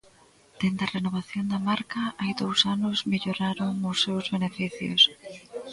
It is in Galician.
Dende a renovación da marca hai dous anos melloraron os seus beneficios.